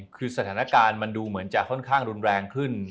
คือสถานการณ์มันดูเหมือนจะค่อนข้างรุนแรงขึ้น